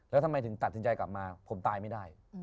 แล้วทำไมถึงตัดสินใจกลับมาผมตายไม่ได้